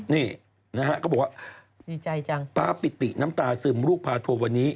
นี่นะฮะก็บอกว่าตาปิติน้ำตาซึมลูกพาทัวร์วันนี้